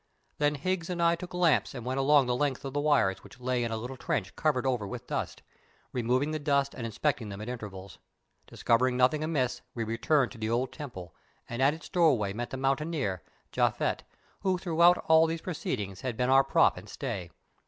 Then Higgs and I took lamps and went along the length of the wires, which lay in a little trench covered over with dust, removing the dust and inspecting them at intervals. Discovering nothing amiss, we returned to the old temple, and at its doorway met the mountaineer, Japhet, who throughout all these proceedings had been our prop and stay.